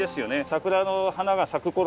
桜の花が咲く頃。